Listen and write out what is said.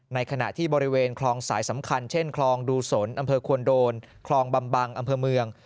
ในขณะที่บริเวณคลองสายสำคัญเช่นคลองดูสนอำเภอควนโดนคลองบำบังอำเภอเมือง